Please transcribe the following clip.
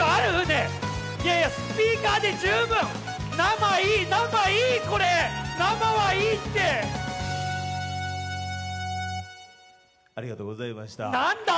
ねぇいやいやスピーカーで十分生いい生いいこれ生はいいってありがとうございましたなんだ！？